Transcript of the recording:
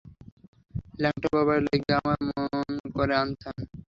ল্যাংটা বাবার লাইগ্যা আমার মন করে আনচান!